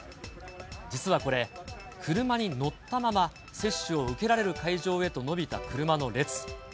実はこれ、車に乗ったまま接種を受けられる会場へと伸びた車の列。